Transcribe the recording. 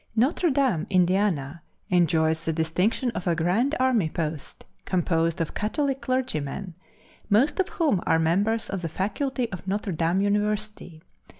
Notre Dame, Indiana, enjoys the distinction of a Grand Army Post composed of Catholic clergymen, most of whom are members of the faculty of Notre Dame University.